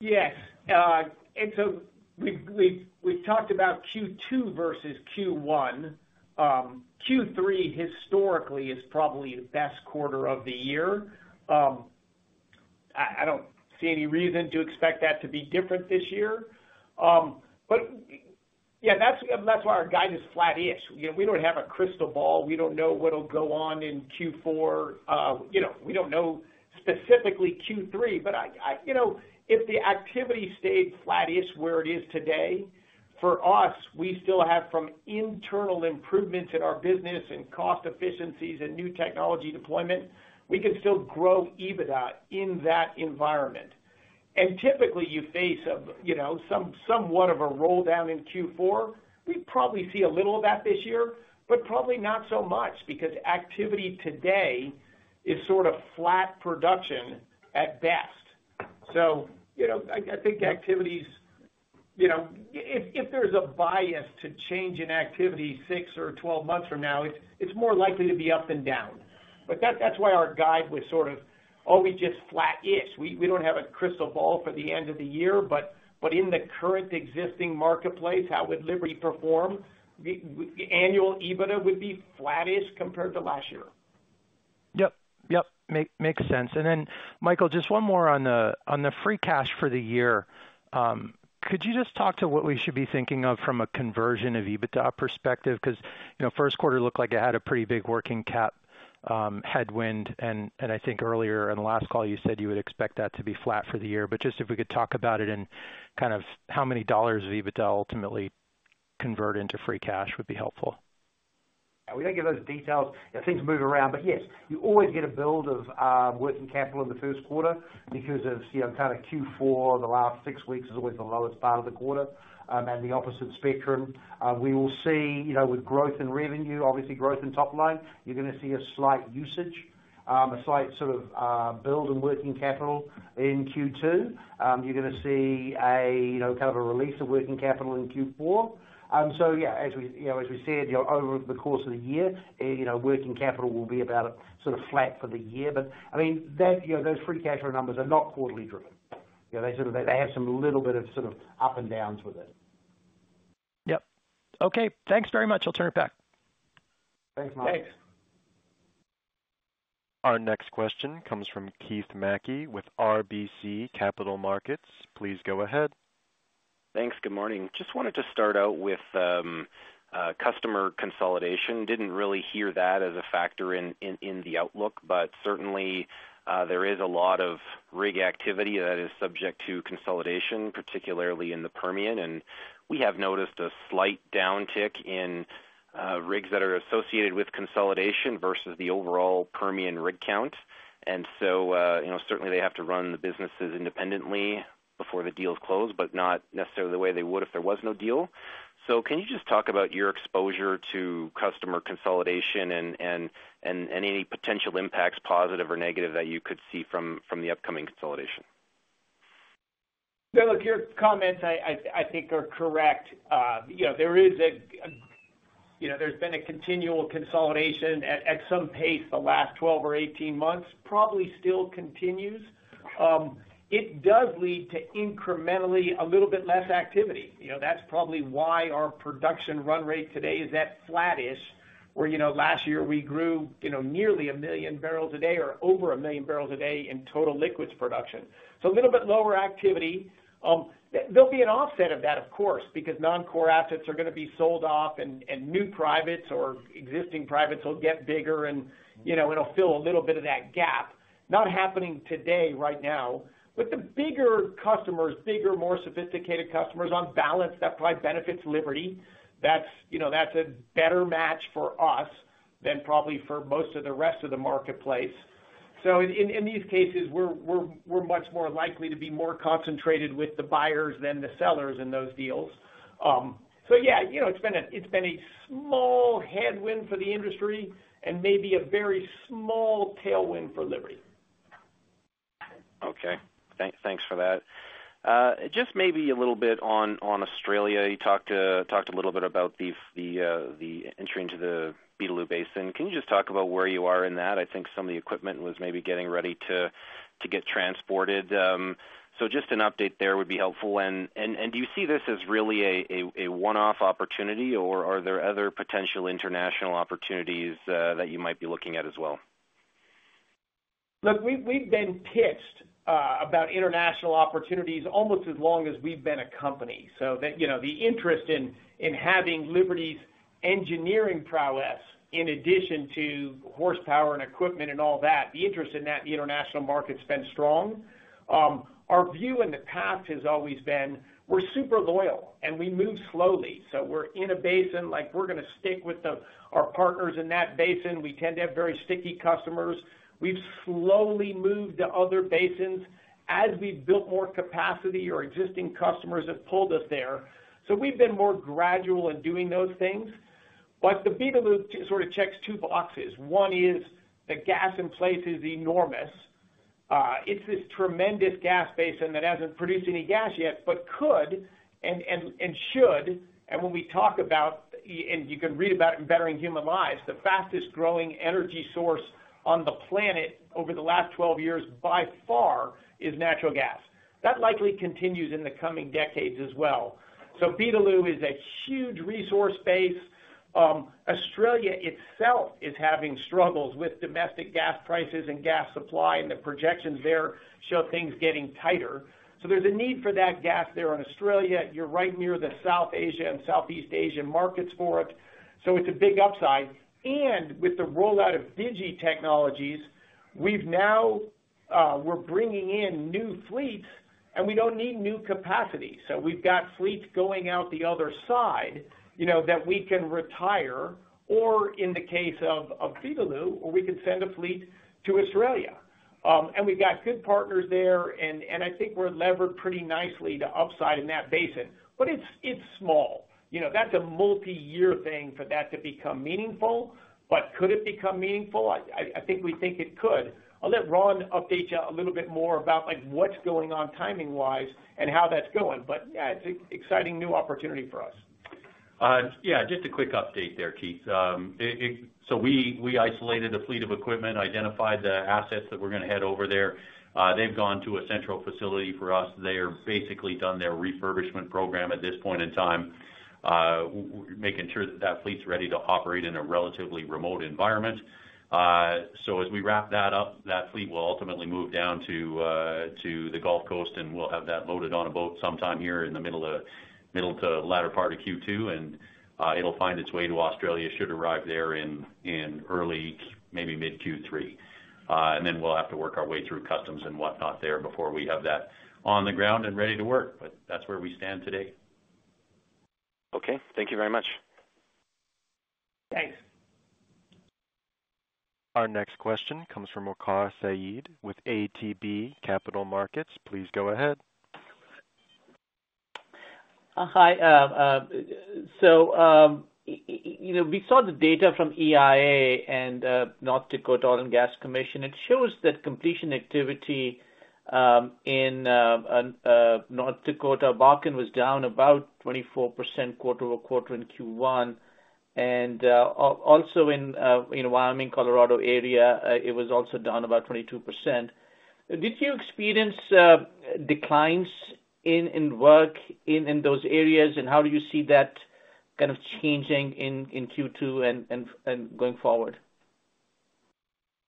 Yes. And so we've talked about Q2 versus Q1. Q3, historically, is probably the best quarter of the year. I don't see any reason to expect that to be different this year. But yeah, that's why our guide is flat-ish. We don't have a crystal ball. We don't know what'll go on in Q4. We don't know specifically Q3. But if the activity stayed flat-ish where it is today, for us, we still have from internal improvements in our business and cost efficiencies and new technology deployment, we can still grow EBITDA in that environment. And typically, you face somewhat of a roll-down in Q4. We'd probably see a little of that this year, but probably not so much because activity today is sort of flat production at best. I think activities if there's a bias to change in activity 6 or 12 months from now, it's more likely to be up than down. That's why our guide was sort of always just flat-ish. We don't have a crystal ball for the end of the year. In the current existing marketplace, how would Liberty perform? Annual EBITDA would be flat-ish compared to last year. Yep. Yep. Makes sense. Then, Michael, just one more on the free cash for the year. Could you just talk to what we should be thinking of from a conversion of EBITDA perspective? Because first quarter looked like it had a pretty big working cap headwind. I think earlier in the last call, you said you would expect that to be flat for the year. Just if we could talk about it and kind of how many dollars of EBITDA ultimately convert into free cash would be helpful. Yeah. We don't give those details. Things move around. But yes, you always get a build of working capital in the first quarter because of kind of Q4. The last six weeks is always the lowest part of the quarter and the opposite spectrum. We will see with growth in revenue, obviously growth in top line, you're going to see a slight usage, a slight sort of build in working capital in Q2. You're going to see kind of a release of working capital in Q4. So yeah, as we said, over the course of the year, working capital will be about sort of flat for the year. But I mean, those free cash flow numbers are not quarterly driven. They have some little bit of sort of up and downs with it. Yep. Okay. Thanks very much. I'll turn it back. Thanks, Marc. Thanks. Our next question comes from Keith Mackey with RBC Capital Markets. Please go ahead. Thanks. Good morning. Just wanted to start out with customer consolidation. Didn't really hear that as a factor in the outlook, but certainly, there is a lot of rig activity that is subject to consolidation, particularly in the Permian. And we have noticed a slight downtick in rigs that are associated with consolidation versus the overall Permian rig count. And so certainly, they have to run the businesses independently before the deals close, but not necessarily the way they would if there was no deal. So can you just talk about your exposure to customer consolidation and any potential impacts, positive or negative, that you could see from the upcoming consolidation? Yeah. Look, your comments, I think, are correct. There's been a continual consolidation at some pace the last 12 or 18 months, probably still continues. It does lead to incrementally a little bit less activity. That's probably why our production run rate today is that flat-ish, where last year, we grew nearly 1 million barrels a day or over 1 million barrels a day in total liquids production. So a little bit lower activity. There'll be an offset of that, of course, because non-core assets are going to be sold off and new privates or existing privates will get bigger, and it'll fill a little bit of that gap, not happening today, right now. But the bigger customers, bigger, more sophisticated customers on balance, that probably benefits Liberty. That's a better match for us than probably for most of the rest of the marketplace. So in these cases, we're much more likely to be more concentrated with the buyers than the sellers in those deals. So yeah, it's been a small headwind for the industry and maybe a very small tailwind for Liberty. Okay. Thanks for that. Just maybe a little bit on Australia. You talked a little bit about the entry into the Beetaloo Basin. Can you just talk about where you are in that? I think some of the equipment was maybe getting ready to get transported. So just an update there would be helpful. And do you see this as really a one-off opportunity, or are there other potential international opportunities that you might be looking at as well? Look, we've been pitched about international opportunities almost as long as we've been a company. So the interest in having Liberty's engineering prowess in addition to horsepower and equipment and all that, the interest in that, the international market's been strong. Our view in the past has always been, "We're super loyal, and we move slowly." So we're in a basin. We're going to stick with our partners in that basin. We tend to have very sticky customers. We've slowly moved to other basins as we've built more capacity. Our existing customers have pulled us there. So we've been more gradual in doing those things. But the Beetaloo sort of checks two boxes. One is the gas in place is enormous. It's this tremendous gas basin that hasn't produced any gas yet but could and should. And when we talk about and you can read about it in Bettering Human Lives, the fastest-growing energy source on the planet over the last 12 years, by far, is natural gas. That likely continues in the coming decades as well. So Beetaloo is a huge resource base. Australia itself is having struggles with domestic gas prices and gas supply, and the projections there show things getting tighter. So there's a need for that gas there in Australia. You're right near the South Asia and Southeast Asia markets for it. So it's a big upside. And with the rollout of DGB technologies, we're bringing in new fleets, and we don't need new capacity. So we've got fleets going out the other side that we can retire or, in the case of Beetaloo, or we can send a fleet to Australia. We've got good partners there, and I think we're levered pretty nicely to upside in that basin. But it's small. That's a multi-year thing for that to become meaningful. But could it become meaningful? I think we think it could. I'll let Ron update you a little bit more about what's going on timing-wise and how that's going. But yeah, it's an exciting new opportunity for us. Yeah. Just a quick update there, Keith. So we isolated a fleet of equipment, identified the assets that we're going to head over there. They've gone to a central facility for us. They have basically done their refurbishment program at this point in time, making sure that that fleet's ready to operate in a relatively remote environment. So as we wrap that up, that fleet will ultimately move down to the Gulf Coast, and we'll have that loaded on a boat sometime here in the middle to latter part of Q2. And it'll find its way to Australia, should arrive there in early, maybe mid-Q3. And then we'll have to work our way through customs and whatnot there before we have that on the ground and ready to work. But that's where we stand today. Okay. Thank you very much. Thanks. Our next question comes from Waqar Syed with ATB Capital Markets. Please go ahead. Hi. So we saw the data from EIA and North Dakota Oil and Gas Commission. It shows that completion activity in North Dakota, Bakken, was down about 24% quarter-over-quarter in Q1. And also in Wyoming, Colorado area, it was also down about 22%. Did you experience declines in work in those areas, and how do you see that kind of changing in Q2 and going forward?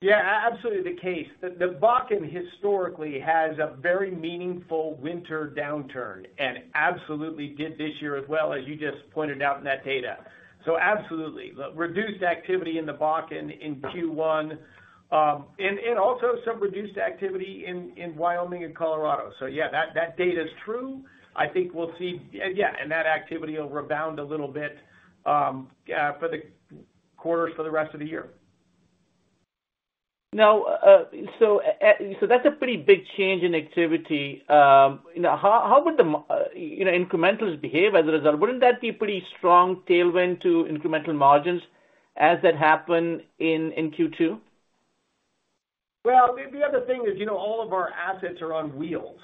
Yeah. Absolutely the case. The Bakken, historically, has a very meaningful winter downturn and absolutely did this year as well, as you just pointed out in that data. So absolutely, reduced activity in the Bakken in Q1 and also some reduced activity in Wyoming and Colorado. So yeah, that data's true. I think we'll see yeah, and that activity will rebound a little bit for the quarters for the rest of the year. No. So that's a pretty big change in activity. How would the incrementals behave as a result? Wouldn't that be a pretty strong tailwind to incremental margins as that happen in Q2? Well, the other thing is all of our assets are on wheels.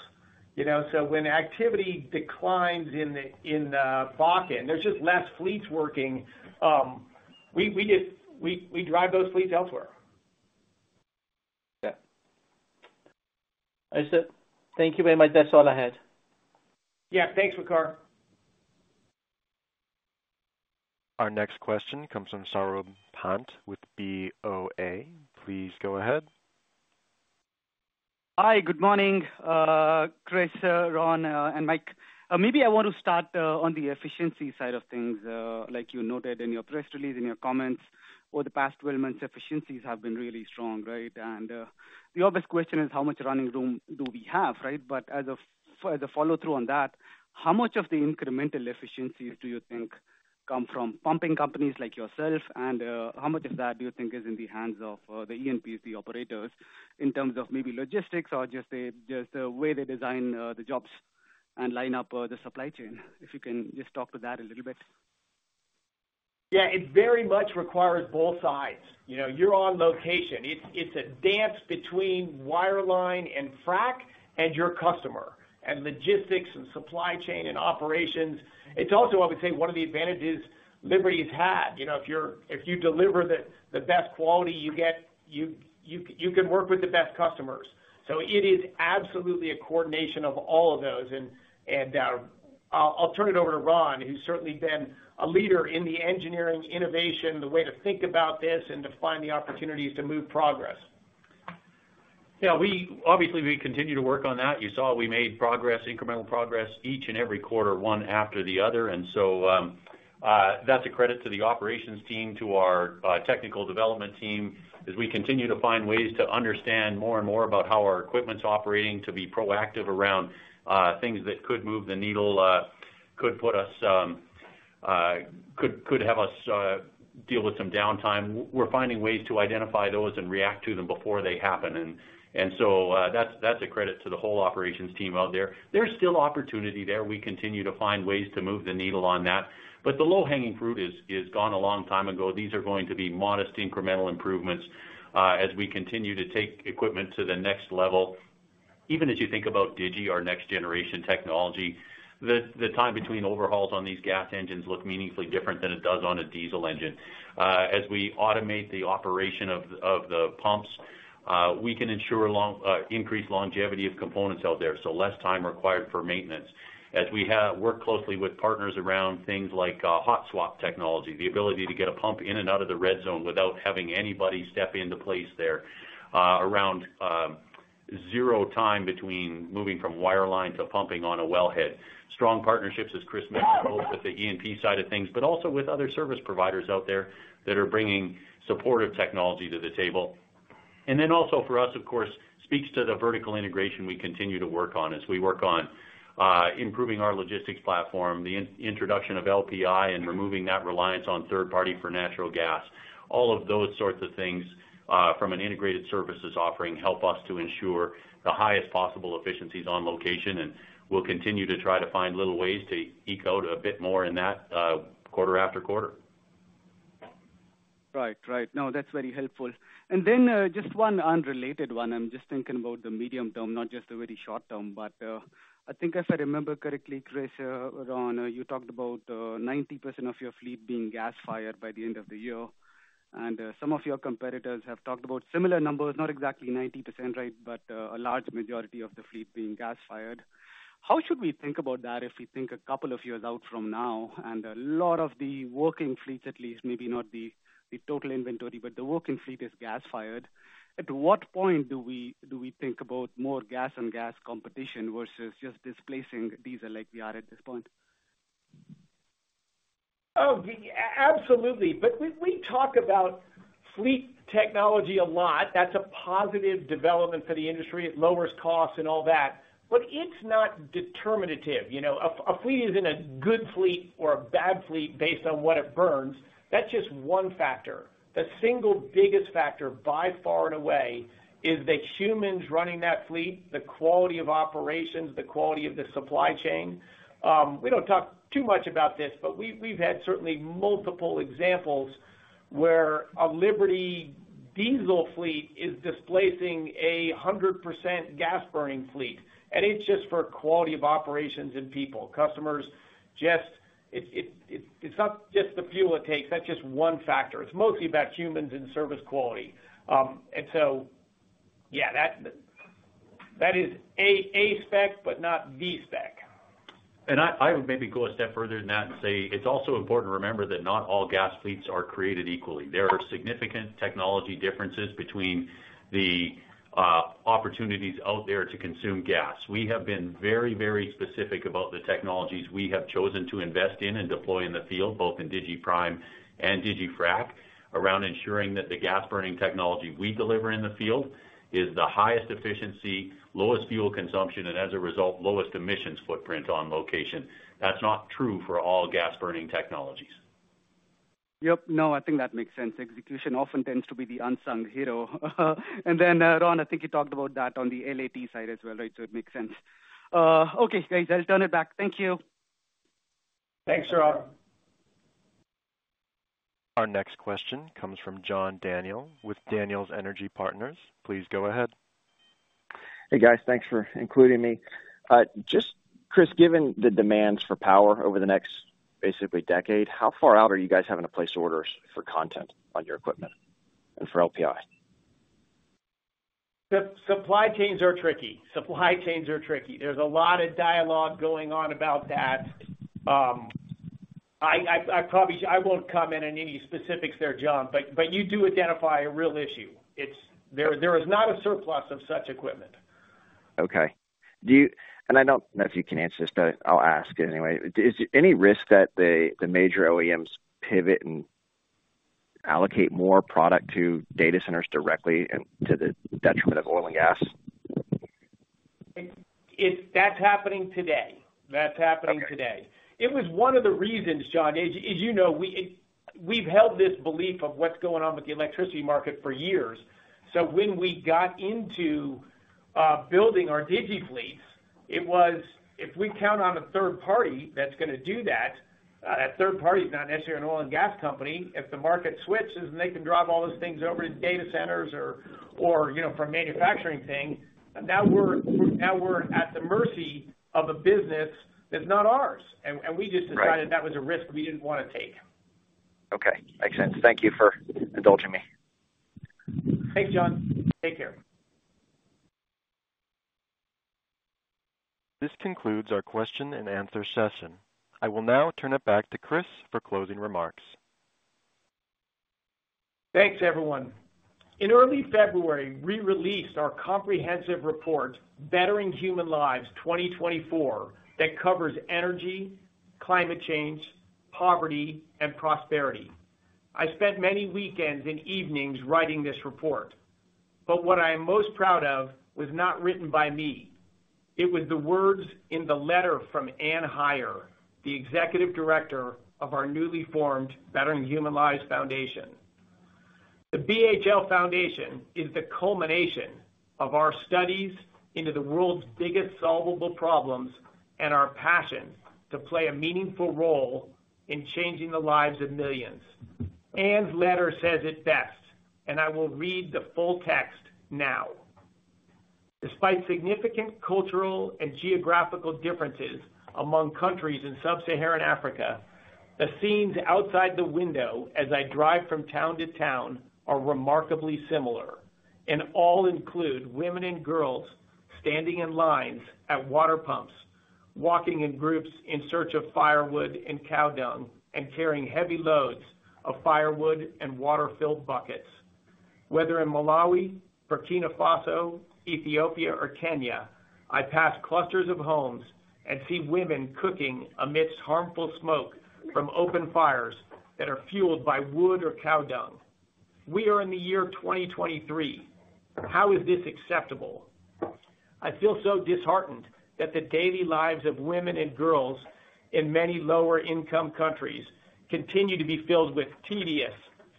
So when activity declines in Bakken, there's just less fleets working. We drive those fleets elsewhere. Yeah. Thank you very much. That's all I had. Yeah. Thanks, Waqar. Our next question comes from Saurabh Pant with BOA. Please go ahead. Hi. Good morning, Chris, Ron, and Mike. Maybe I want to start on the efficiency side of things. Like you noted in your press release, in your comments, over the past 12 months, efficiencies have been really strong, right? The obvious question is, "How much running room do we have?" Right? But as a follow-through on that, how much of the incremental efficiencies do you think come from pumping companies like yourself, and how much of that do you think is in the hands of the E&Ps, the operators, in terms of maybe logistics or just the way they design the jobs and line up the supply chain? If you can just talk to that a little bit. Yeah. It very much requires both sides. You're on location. It's a dance between wireline and frac and your customer and logistics and supply chain and operations. It's also, I would say, one of the advantages Liberty's had. If you deliver the best quality, you can work with the best customers. So it is absolutely a coordination of all of those. And I'll turn it over to Ron, who's certainly been a leader in the engineering, innovation, the way to think about this and to find the opportunities to move progress. Yeah. Obviously, we continue to work on that. You saw we made progress, incremental progress, each and every quarter, one after the other. And so that's a credit to the operations team, to our technical development team, as we continue to find ways to understand more and more about how our equipment's operating, to be proactive around things that could move the needle, could put us could have us deal with some downtime. We're finding ways to identify those and react to them before they happen. And so that's a credit to the whole operations team out there. There's still opportunity there. We continue to find ways to move the needle on that. But the low-hanging fruit has gone a long time ago. These are going to be modest incremental improvements as we continue to take equipment to the next level. Even as you think about DGB, our next-generation technology, the time between overhauls on these gas engines looks meaningfully different than it does on a diesel engine. As we automate the operation of the pumps, we can ensure increased longevity of components out there, so less time required for maintenance. As we work closely with partners around things like hot-swap technology, the ability to get a pump in and out of the red zone without having anybody step into place there, around zero time between moving from wireline to pumping on a wellhead, strong partnerships, as Chris mentioned, both with the E&P side of things but also with other service providers out there that are bringing supportive technology to the table. And then also for us, of course, speaks to the vertical integration we continue to work on as we work on improving our logistics platform, the introduction of LPI, and removing that reliance on third-party for natural gas. All of those sorts of things from an integrated services offering help us to ensure the highest possible efficiencies on location. And we'll continue to try to find little ways to eke a bit more in that quarter after quarter. Right. Right. No, that's very helpful. And then just one unrelated one. I'm just thinking about the medium term, not just the very short term. But I think, if I remember correctly, Chris, Ron, you talked about 90% of your fleet being gas-fired by the end of the year. And some of your competitors have talked about similar numbers, not exactly 90%, right, but a large majority of the fleet being gas-fired. How should we think about that if we think a couple of years out from now, and a lot of the working fleets, at least, maybe not the total inventory, but the working fleet is gas-fired? At what point do we think about more gas-on-gas competition versus just displacing diesel like we are at this point? Oh, absolutely. But we talk about fleet technology a lot. That's a positive development for the industry. It lowers costs and all that. But it's not determinative. A fleet isn't a good fleet or a bad fleet based on what it burns. That's just one factor. The single biggest factor, by far and away, is the humans running that fleet, the quality of operations, the quality of the supply chain. We don't talk too much about this, but we've had certainly multiple examples where a Liberty diesel fleet is displacing a 100% gas-burning fleet. And it's just for quality of operations and people, customers. It's not just the fuel it takes. That's just one factor. It's mostly about humans and service quality. And so yeah, that is A spec but not B spec. I would maybe go a step further than that and say it's also important to remember that not all gas fleets are created equally. There are significant technology differences between the opportunities out there to consume gas. We have been very, very specific about the technologies we have chosen to invest in and deploy in the field, both in digiPrime and digiFrac, around ensuring that the gas-burning technology we deliver in the field is the highest efficiency, lowest fuel consumption, and as a result, lowest emissions footprint on location. That's not true for all gas-burning technologies. Yep. No, I think that makes sense. Execution often tends to be the unsung hero. And then, Ron, I think you talked about that on the LAT side as well, right? So it makes sense. Okay, guys. I'll turn it back. Thank you. Thanks, Ron. Our next question comes from John Daniel with Daniel Energy Partners. Please go ahead. Hey, guys. Thanks for including me. Just, Chris, given the demands for power over the next, basically, decade, how far out are you guys having to place orders for components on your equipment and for LPI? Supply chains are tricky. Supply chains are tricky. There's a lot of dialogue going on about that. I won't comment on any specifics there, John, but you do identify a real issue. There is not a surplus of such equipment. Okay. And I don't know if you can answer this, but I'll ask it anyway. Is there any risk that the major OEMs pivot and allocate more product to data centers directly to the detriment of oil and gas? That's happening today. That's happening today. It was one of the reasons, John, as you know, we've held this belief of what's going on with the electricity market for years. So when we got into building our DGB fleets, it was, "If we count on a third party that's going to do that," that third party's not necessarily an oil and gas company. "If the market switches and they can drop all those things over to data centers or from manufacturing thing, now we're at the mercy of a business that's not ours." And we just decided that was a risk we didn't want to take. Okay. Makes sense. Thank you for indulging me. Thanks, John. Take care. This concludes our question-and-answer session. I will now turn it back to Chris for closing remarks. Thanks, everyone. In early February, we released our comprehensive report, Bettering Human Lives 2024, that covers energy, climate change, poverty, and prosperity. I spent many weekends and evenings writing this report. But what I am most proud of was not written by me. It was the words in the letter from Anne Heyer, the executive director of our newly formed Bettering Human Lives Foundation. The BHL Foundation is the culmination of our studies into the world's biggest solvable problems and our passion to play a meaningful role in changing the lives of millions. Anne's letter says it best, and I will read the full text now. Despite significant cultural and geographical differences among countries in Sub-Saharan Africa, the scenes outside the window as I drive from town to town are remarkably similar, and all include women and girls standing in lines at water pumps, walking in groups in search of firewood and cow dung, and carrying heavy loads of firewood and water-filled buckets. Whether in Malawi, Burkina Faso, Ethiopia, or Kenya, I pass clusters of homes and see women cooking amidst harmful smoke from open fires that are fueled by wood or cow dung. We are in the year 2023. How is this acceptable? I feel so disheartened that the daily lives of women and girls in many lower-income countries continue to be filled with tedious,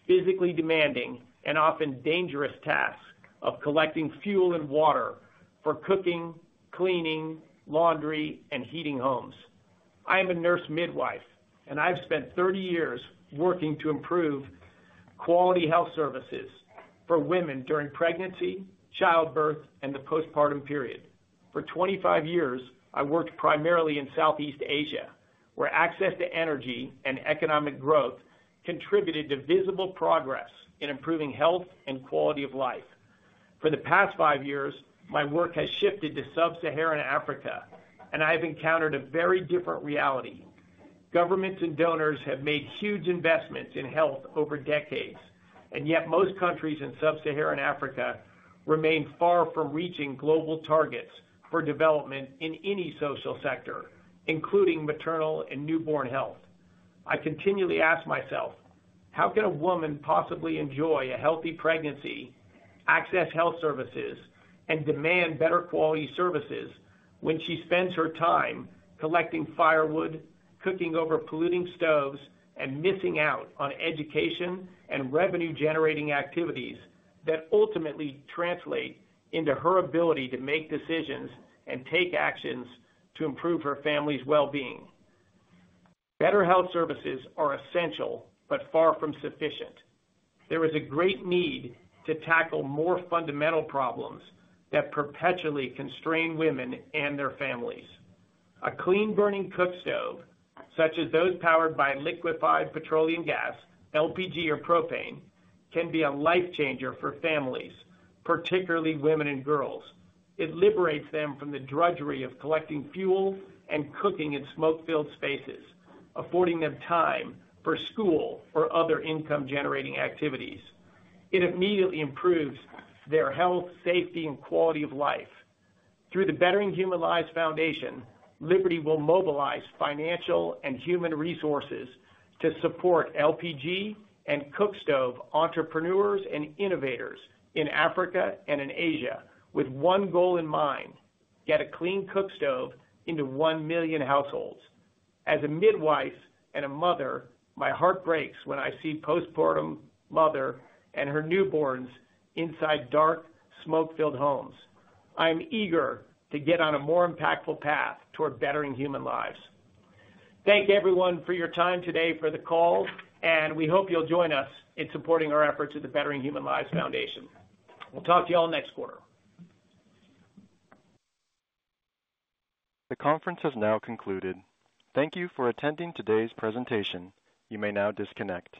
physically demanding, and often dangerous tasks of collecting fuel and water for cooking, cleaning, laundry, and heating homes. I am a nurse midwife, and I've spent 30 years working to improve quality health services for women during pregnancy, childbirth, and the postpartum period. For 25 years, I worked primarily in Southeast Asia, where access to energy and economic growth contributed to visible progress in improving health and quality of life. For the past 5 years, my work has shifted to Sub-Saharan Africa, and I have encountered a very different reality. Governments and donors have made huge investments in health over decades, and yet most countries in Sub-Saharan Africa remain far from reaching global targets for development in any social sector, including maternal and newborn health. I continually ask myself, "How can a woman possibly enjoy a healthy pregnancy, access health services, and demand better-quality services when she spends her time collecting firewood, cooking over polluting stoves, and missing out on education and revenue-generating activities that ultimately translate into her ability to make decisions and take actions to improve her family's well-being?" Better health services are essential but far from sufficient. There is a great need to tackle more fundamental problems that perpetually constrain women and their families. A clean-burning cookstove, such as those powered by liquefied petroleum gas, LPG, or propane, can be a life-changer for families, particularly women and girls. It liberates them from the drudgery of collecting fuel and cooking in smoke-filled spaces, affording them time for school or other income-generating activities. It immediately improves their health, safety, and quality of life. Through the Bettering Human Lives Foundation, Liberty will mobilize financial and human resources to support LPG and cookstove entrepreneurs and innovators in Africa and in Asia with one goal in mind: get a clean cookstove into 1 million households. As a midwife and a mother, my heart breaks when I see postpartum mothers and her newborns inside dark, smoke-filled homes. I am eager to get on a more impactful path toward bettering human lives. Thank everyone for your time today for the call, and we hope you'll join us in supporting our efforts at the Bettering Human Lives Foundation. We'll talk to you all next quarter. The conference has now concluded. Thank you for attending today's presentation. You may now disconnect.